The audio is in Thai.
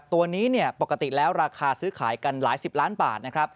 ตัวนี้ปกติแล้วราคาซื้อขายกันหลายสิบล้านบาทนะครับ